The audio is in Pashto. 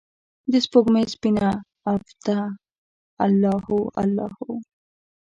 دسپوږمۍ سپینه عفته الله هو، الله هو